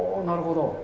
なるほど。